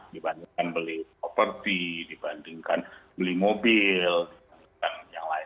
dibandingkan beli property dibandingkan beli mobil dibandingkan yang lain